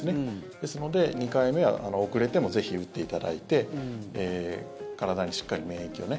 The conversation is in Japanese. ですので、２回目は遅れてもぜひ打っていただいて体にしっかり免疫をね。